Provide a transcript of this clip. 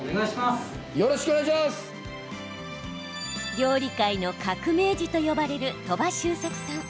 料理界の革命児と呼ばれる鳥羽周作さん。